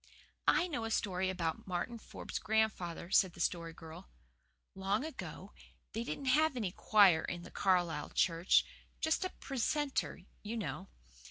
"I know a story about Martin Forbes' grandfather," said the Story Girl. "Long ago they didn't have any choir in the Carlisle church just a precentor you know.